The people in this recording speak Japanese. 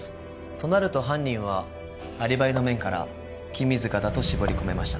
となると犯人はアリバイの面から君塚だと絞り込めました。